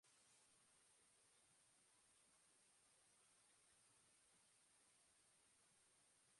Presio iraunkorra eta baloiaren jabetza mantentzea.